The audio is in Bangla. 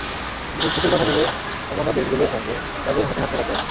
ভবিষ্যতের কথা ভেবে সমমনা দেশগুলোর সঙ্গে তাদের হাতে হাত মেলাতে হবে।